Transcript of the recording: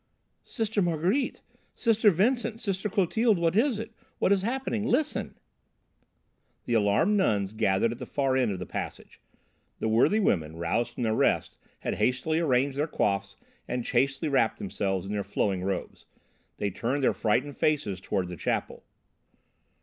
"Sister Marguerite! Sister Vincent! Sister Clotilde! What is it? What is happening? Listen!" The alarmed nuns gathered at the far end of the passage. The worthy women, roused from their rest, had hastily arranged their coifs, and chastely wrapped themselves in their flowing robes. They turned their frightened faces toward the chapel.